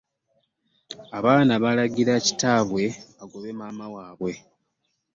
Abaana baalagira kitaabwe agobe maama wabwe.